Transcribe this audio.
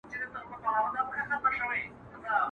هغه وايي يو درد مي د وزير پر مخ گنډلی